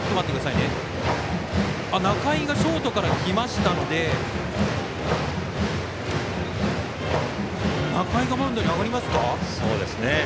仲井がショートから来ましたので仲井がマウンドに上がりますか。